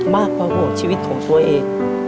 มากกว่าห่วงชีวิตของตัวเอง